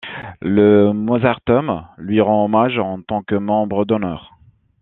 Le Mozarteum lui rend hommage en tant que membre d'honneur.